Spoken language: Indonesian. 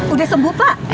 udah sembuh pak